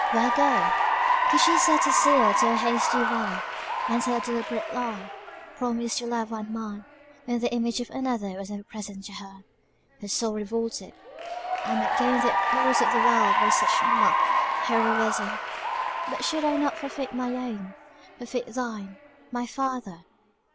where go? Could she set a seal to a hasty vow, and tell a deliberate lie; promise to love one man, when the image of another was ever present to her her soul revolted. "I might gain the applause of the world by such mock heroism; but should I not forfeit my own? forfeit thine, my father!"